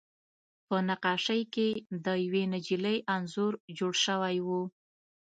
په نقاشۍ کې د یوې نجلۍ انځور جوړ شوی و